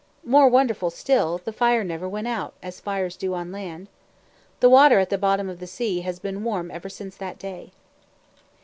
More wonderful still, the fire never went out, as fires do on land. The water at the bottom of the sea has been warm ever since that day.